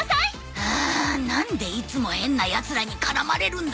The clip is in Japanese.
ああなんでいつも変なヤツらに絡まれるんだ！